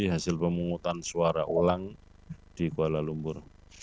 hasil pemungutan suara ulang di kuala lumpur